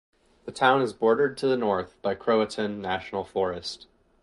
The town is bordered to the north by Croatan National Forest.